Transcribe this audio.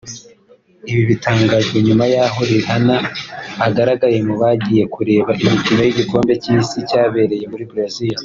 Ibi bitangajwe nyuma y’aho Rihanna agaragaye mu bagiye kureba imikino y’igikombe cy’Isi cyabereye muri Brazil